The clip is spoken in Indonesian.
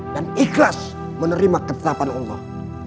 dan ikhlas menerima ketetapan allah